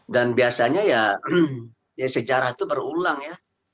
dan biasanya ya sejarah itu berulang ya